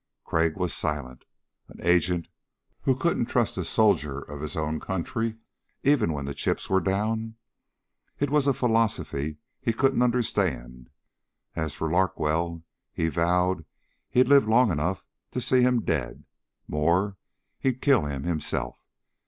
Crag was silent. An agent who couldn't trust a soldier of his own country, even when the chips were down? It was a philosophy he couldn't understand. As for Larkwell! He vowed he'd live long enough to see him dead. More, he'd kill him himself.